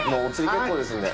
結構ですんで。